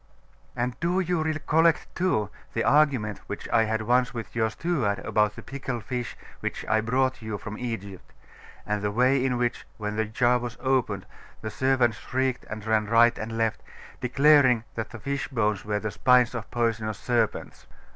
'And do you recollect, too, the argument which I had once with your steward about the pickled fish which I brought you from Egypt; and the way in which, when the jar was opened, the servants shrieked and ran right and left, declaring that the fish bones were the spines of poisonous serpents?